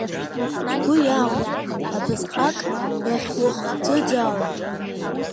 Сгәы иахәеит абысҟак иахьухӡыӡаауа.